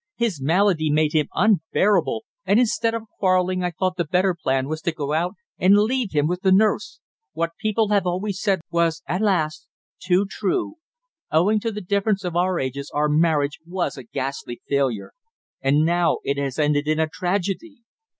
His malady made him unbearable, and instead of quarrelling I thought the better plan was to go out and leave him with the nurse. What people have always said, was, alas! too true. Owing to the difference of our ages our marriage was a ghastly failure. And now it has ended in a tragedy."